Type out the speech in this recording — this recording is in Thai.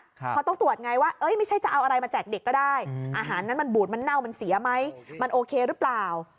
เพราะต้องตรวจไงว่าไม่ใช่จะเอาอะไรมาแจกเด็กก็ได้อาหารนั้นมันบูดมันเน่ามันเสียไหมมันโอเคหรือเปล่า